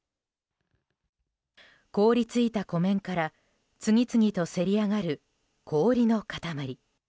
凍り付いた湖面から次々とせりあがる氷の塊。